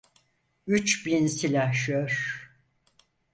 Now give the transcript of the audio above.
Üç bin silahşor…